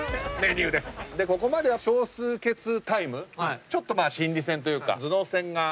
ここまでは少数決タイムちょっと心理戦というか。